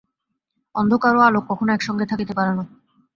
অন্ধকার ও আলোক কখনও এক সঙ্গে থাকিতে পারে না।